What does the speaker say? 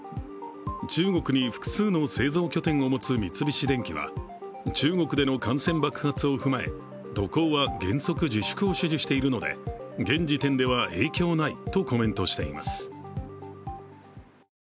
中国に複数の製造拠点を持つ三菱電機は中国での感染爆発を踏まえ渡航は原則自粛を指示しているので現時点では影響ないとコメントしています。